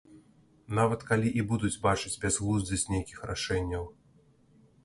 Нават калі і будуць бачыць бязглуздасць нейкіх рашэнняў.